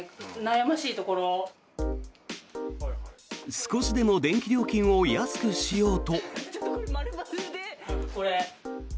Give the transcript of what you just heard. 少しでも電気料金を安くしようと。